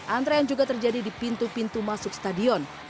antre yang juga terjadi di pintu pintu masuk stadion